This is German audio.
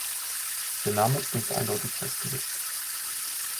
Der Name ist nicht eindeutig festgelegt.